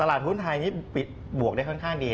ตลาดหุ้นไทยนี่ปิดบวกได้ค่อนข้างดี